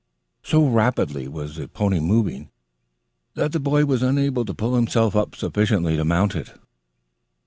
So rapidly was the pony moving, that the boy was unable to pull himself up sufficiently to mount it.